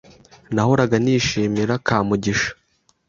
Nahoraga nishimira Kamugisha.